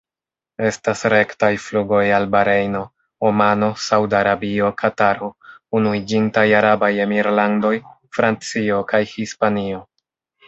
Estas rektaj flugoj al Barejno, Omano, Saud-Arabio, Kataro, Unuiĝintaj Arabaj Emirlandoj, Francio kaj Hispanio.